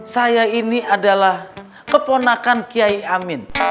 saya ini adalah keponakan kiai amin